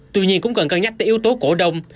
tuy nhiên cũng cần cân nhắc tới yếu tố cổ đông